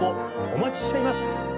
お待ちしています！